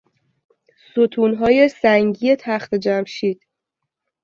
ستونهای سنگی تخت جمشید